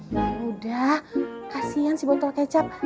ya udah kasihan si botol kecap